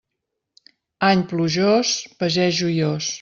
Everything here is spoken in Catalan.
Any plujós, pagès joiós.